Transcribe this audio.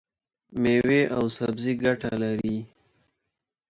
مېوې او سبزي ګټه لري.